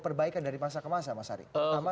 perbaikan dari masa ke masa mas ari